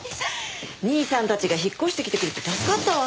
兄さんたちが引っ越してきてくれて助かったわ。